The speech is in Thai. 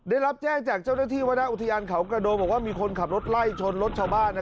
โอ้ยจังหวัดนี้ก็น่ากลัวแทบมากเลยนะ